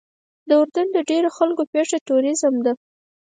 د اردن د ډېرو خلکو پیشه ټوریزم ده.